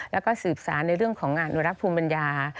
แล้วก็สืบสารในเรื่องของงานอนุรักษ์ภูมิปัญญา